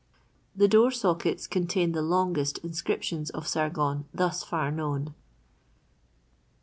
The door sockets contain the longest inscriptions of Sargon thus far known.